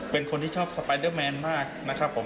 เป็นคนที่ชอบสไปเดอร์แมนมากนะครับผม